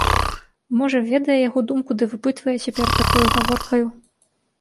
Можа, ведае яго думку ды выпытвае цяпер такою гаворкаю?